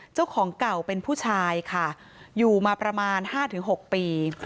เจ้าของเก่าเป็นผู้ชายค่ะอยู่มาประมาณ๕๖ปี